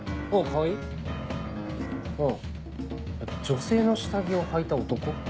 うん女性の下着をはいた男？